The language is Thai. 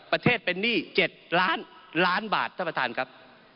ประเทศเป็นหนี้๗ล้านล้านบาทท่านประธานครับ